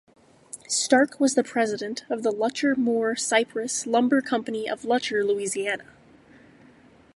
Stark was the president of the Lutcher Moore Cypress Lumber Company of Lutcher, Louisiana.